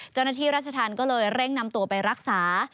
เจ้าหน้าที่ราชธรรมก็เลยเร่งนำตัวไปรักษา